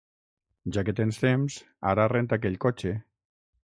Ja que tens temps, ara renta aquell cotxe.